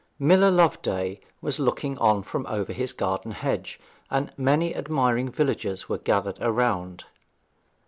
Miller Loveday was looking on from over his garden hedge, and many admiring villagers were gathered around.